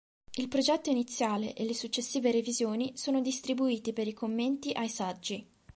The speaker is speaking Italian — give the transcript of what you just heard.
Il progetto iniziale e le successive revisioni, sono distribuiti per i commenti ai "saggi".